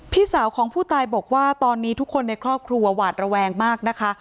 พี่สาวของผู้ตายบอกว่าตอนนี้ทุกคนในครอบครัวหวาดระแวงมากนะคะ